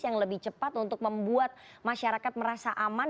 yang lebih cepat untuk membuat masyarakat merasa aman